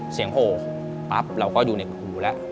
เสียงโฮปั๊บเราก็อยู่ในครูแล้ว